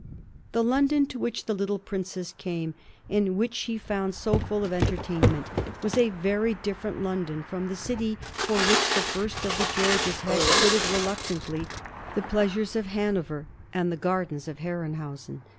The London to which the little Princess came, and which she found so full of entertainment, was a very different London from the city for which the first of the Georges had quitted reluctantly the pleasures of Hanover and the gardens of Herrenhausen.